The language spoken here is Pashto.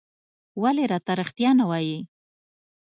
ولې راته رېښتيا نه وايې؟